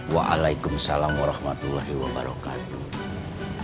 waalaikumsalam warahmatullahi wabarakatuh